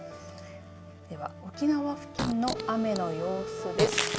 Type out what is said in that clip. では沖縄付近の雨の様子です。